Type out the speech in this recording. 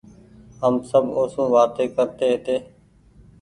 هم سب اوسون وآتي ڪرتي هيتي